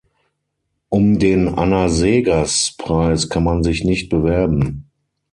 Um den Anna Seghers-Preis kann man sich nicht bewerben.